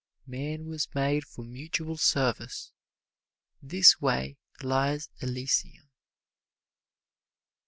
Man was made for mutual service. This way lies Elysium.